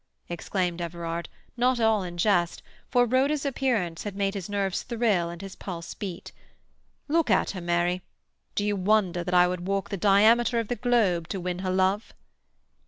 exclaimed Everard, not all in jest, for Rhoda's appearance had made his nerves thrill and his pulse beat. "Look at her, Mary. Do you wonder that I would walk the diameter of the globe to win her love?"